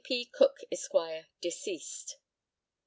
P. Cook, Esq., deceased.